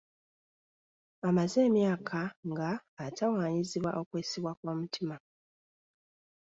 Amaze emyaka nga atawaanyizibwa okwesiba kw'omutima.